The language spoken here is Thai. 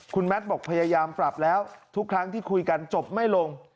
คุณแมทบอกพยายามปรับแล้วทุกครั้งที่คุยกันจบไม่ลง